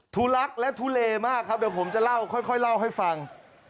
ทุลักและทุเลมากครับเดี๋ยวผมจะเล่าค่อยเล่าให้ฟัง